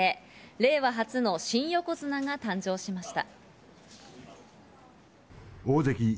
令和初の新横綱が誕生しました。